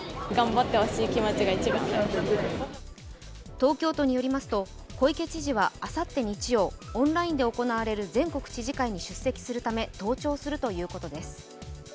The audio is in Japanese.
東京都によりますと小池知事はあさって日曜、オンラインで行われる全国知事会に出席するため登庁するということです。